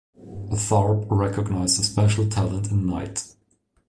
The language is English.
Tharpe recognized a special talent in Knight.